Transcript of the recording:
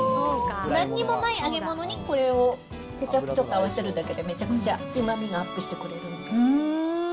なんにもない揚げ物にこれをケチャップとか合わせるだけで、めちゃくちゃうまみがアップしてくれるので。